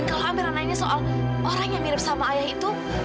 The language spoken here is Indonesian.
dan kalau amira nanya soal orang yang mirip sama ayah itu